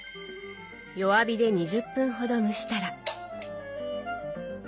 弱火で２０分ほど蒸したら。